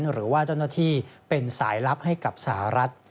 หรือว่าเจ้าหน้าที่เป็นสายลับให้กับสหรัฐ